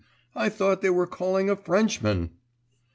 I thought they were calling a Frenchman....